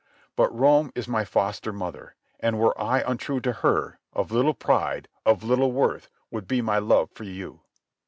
But Rome is my foster mother, and were I untrue to her, of little pride, of little worth would be my love for you."